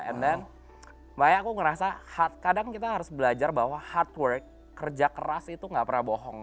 and then makanya aku ngerasa kadang kita harus belajar bahwa hardwork kerja keras itu gak pernah bohong